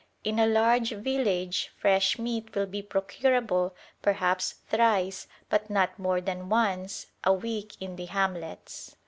In a large village fresh meat will be procurable perhaps thrice, but not more than once, a week in the hamlets.